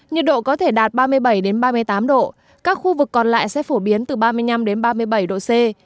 nhiệt độ có thể đạt ba mươi bảy ba mươi tám độ các khu vực còn lại sẽ phổ biến từ ba mươi năm đến ba mươi bảy độ c